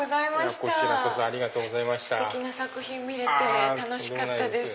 ステキな作品見れて楽しかったです。